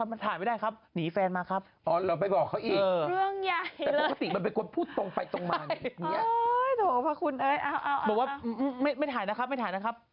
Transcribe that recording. มันเกิบขอโทษค่ะมันถ่ายไม่ได้ครับ